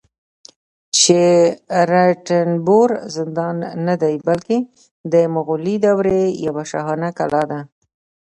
چې رنتنبور زندان نه دی، بلکې د مغولي دورې یوه شاهانه کلا ده